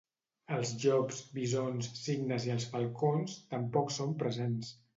Els llops, bisons, cignes i els falcons tampoc són presents.